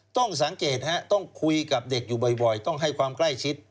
ต้องสังเกตต้องคุยกับเด็กอยู่บ่อยต้องให้ความใกล้ชิด